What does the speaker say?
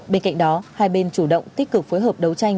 bên cạnh đó hai bên chủ động tích cực phối hợp đấu tranh